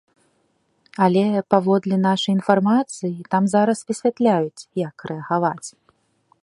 Але, паводле нашай інфармацыі, там зараз высвятляюць, як рэагаваць.